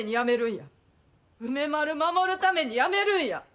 梅丸守るためにやめるんや！